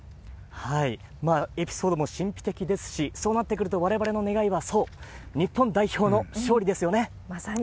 エピソードも神秘的ですし、そうなってくると、われわれの願いはそう、日本代表の勝利ですよまさに。